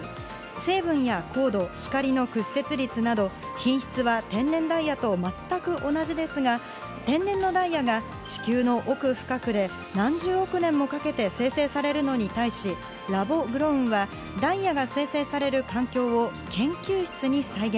成分や硬度、光の屈折率など、品質は天然ダイヤと全く同じですが、天然のダイヤが地球の奥深くで何十億年もかけて生成されるのに対し、ラボグロウンはダイヤが生成される環境を研究室に再現。